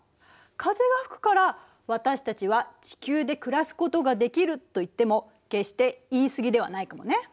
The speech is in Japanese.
風が吹くから私たちは地球で暮らすことができると言っても決して言い過ぎではないかもね。